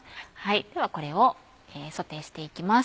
ではこれをソテーしていきます。